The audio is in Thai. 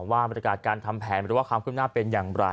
ว่าบรรยากาศการทำแผนหรือว่าความขึ้นหน้าเป็นอย่างไร